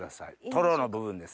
トロの部分ですね。